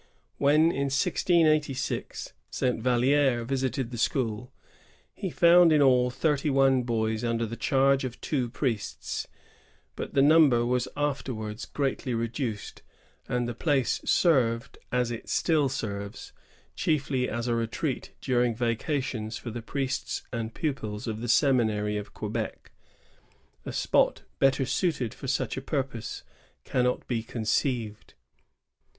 When, in 1686, Saint Vallier visited the school, he found in all thirty one boys und^r the charge of two priests; but the number was afterwards greatly reduced, and the place served, as it still serves, chiefly as a retreat during vacations for the priests and pupils of the seminary of Quebec. A spot better suited for such a purpose cannot be conceived.